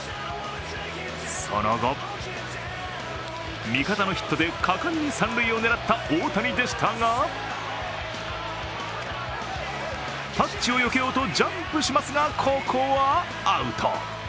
その後、味方のヒットで果敢に三塁を狙った大谷でしたが、タッチをよけようとジャンプしますが、ここはアウト。